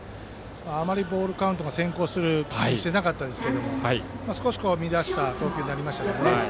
あまりボールカウントが先行してなかったんですが少し乱した投球になりましたね。